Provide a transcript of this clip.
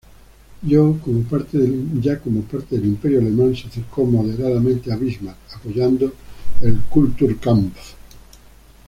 Ya como parte del Imperio alemán, se acercó moderadamente a Bismarck, apoyando el "Kulturkampf".